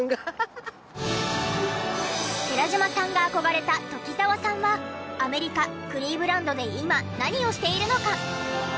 寺島さんが憧れた鴇澤さんはアメリカクリーブランドで今何をしているのか？